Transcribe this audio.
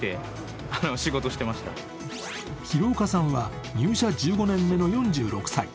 廣岡さんは入社１５年目の４６歳。